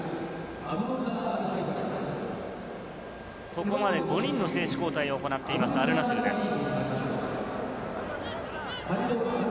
ここまで５人の選手交代を行っています、アルナスルです。